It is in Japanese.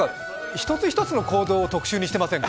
１つ１つの行動を特集にしていませんか？